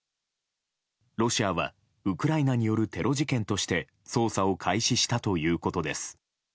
ロシアは、ウクライナによるテロ事件として捜査を開始したということです。